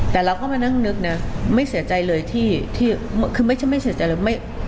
แต่เราก็มานั่งนึกนะไม่เสียใจเลยที่คือไม่ใช่ไม่เสียใจเลย